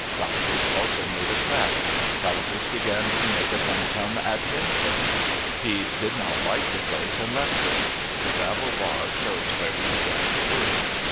Tallapus also made a trap. Tallapus began to make a turn turn at Hanteuc. He did not like the place and left it. The gravel bar shows where he began to work.